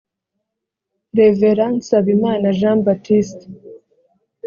reverend nsabimana jean baptiste